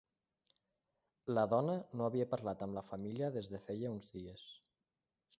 La dona no havia parlat amb la família des de feia uns dies.